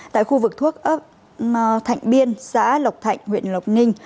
tại khu vực thuốc thạnh biên xã lộc thạnh huyện lộc ninh